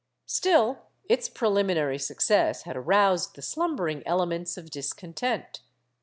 Still, its preliminary success had aroused the slumbering ele ments of discontent.